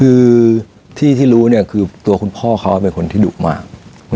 คือที่ที่รู้เนี่ยคือตัวคุณพ่อเขาเป็นคนที่ดุมาก